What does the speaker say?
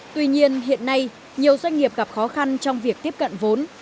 tuy nhiên hiện nay nhiều doanh nghiệp gặp khó khăn trong việc tiếp cận vốn